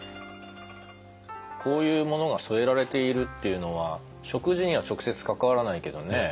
こういうものが添えられているっていうのは食事には直接関わらないけどね